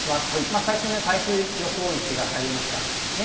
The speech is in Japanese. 最新の台風予報位置が入りました。